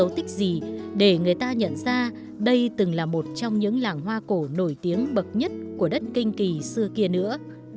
dấu tích gì để người ta nhận ra đây từng là một trong những làng hoa cổ nổi tiếng bậc nhất của đất kinh kỳ xưa kia nữa